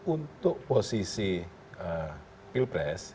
untuk posisi pilpres